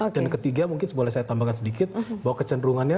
dan ketiga mungkin boleh saya tambahkan sedikit bahwa kecenderungannya